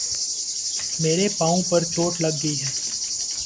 میرے پاؤں پر چوٹ لگ گئی ہے